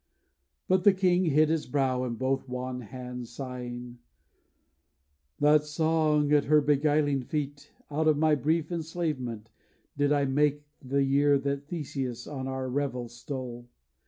But the king hid his brow in both wan hands, Sighing: 'That song at her beguiling feet, Out of my brief enslavement, did I make The year that Theseus on our revels stole.